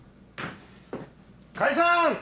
解散！